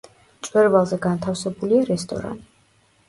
მწვერვალზე განთავსებულია რესტორანი.